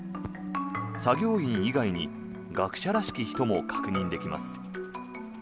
作業員以外に学者らしき人も確認できます。